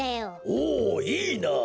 おおいいなあ。